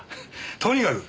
とにかく！